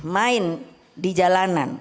main di jalanan